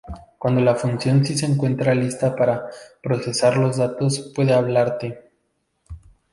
Cuando la función Si se encuentra lista para procesar los datos, puede hablar Te.